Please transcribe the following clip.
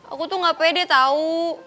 aku tuh gak pede tau